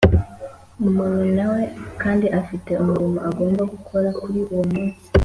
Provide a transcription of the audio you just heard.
. Umuntu nawe kandi afite umurimo agomba gukora kuri uwo munsi